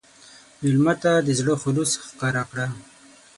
مېلمه ته د زړه خلوص ښکاره کړه.